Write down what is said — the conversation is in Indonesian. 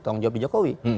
tolong jawab di jokowi